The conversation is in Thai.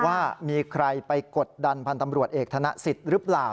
ว่ามีใครไปกดดันพันธ์ตำรวจเอกธนสิทธิ์หรือเปล่า